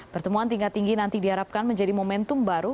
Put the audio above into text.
pertemuan tingkat tinggi nanti diharapkan menjadi momentum baru